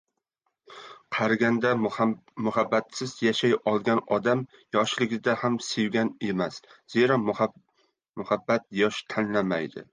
Qariganda muhabbatsiz yashay olgan odam yoshligida ham sevgan emas, zero muhabbat yosh tanlamaydi.